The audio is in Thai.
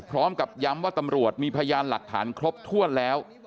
พร้อมกับย้ำว่าตำรวจมีพยานหลักฐานครบถ้วนแล้ว